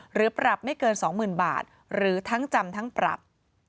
หรือปรับไม่เกิน๒๐๐๐บาทหรือทั้งจำทั้งปรับ